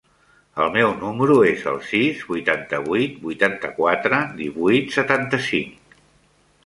El meu número es el sis, vuitanta-vuit, vuitanta-quatre, divuit, setanta-cinc.